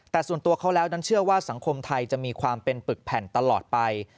แต่ส่วนตัวเขาแล้วนั้นเชื่อว่าสังคมไทยจะมีความเป็นปึกแผ่นตลอดไป